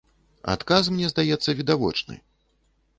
Адказ, мне здаецца, відавочны.